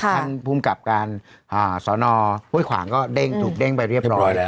ท่านภูมิกับการสอนอห้วยขวางก็เด้งถูกเด้งไปเรียบร้อยแล้ว